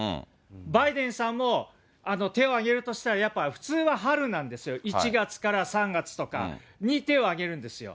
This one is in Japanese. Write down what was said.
バイデンさんも手を挙げるとしたらやっぱ普通は春なんですよ、１月から３月とかに手を挙げるんですよ。